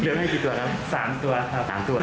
เหลือไว้กี่ตัวครับ๓ตัวครับ๓ตัว